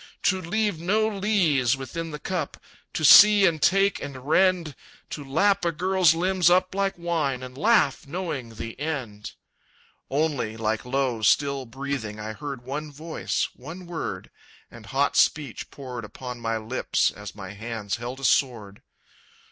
"To leave no lees within the cup, To see and take and rend; To lap a girl's limbs up like wine, And laugh, knowing the end!" _Only, like low, still breathing, I heard one voice, one word; And hot speech poured upon my lips, As my hands held a sword.